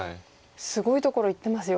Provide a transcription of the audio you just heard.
すごいところいってますよ。